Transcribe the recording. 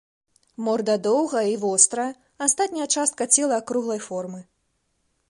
Морда доўгая і вострая, астатняя частка цела акруглай формы.